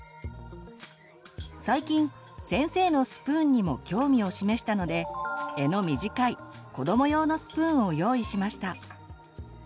最近先生のスプーンにも興味を示したので柄の短い子ども用のスプーンを用意しました。